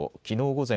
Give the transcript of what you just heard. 午前